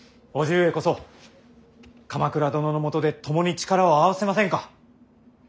叔父上こそ鎌倉殿のもとで共に力を合わせませんか。